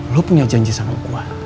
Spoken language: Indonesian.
lo punya janji sama gue